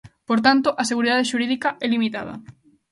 Por tanto, a seguridade xurídica é limitada.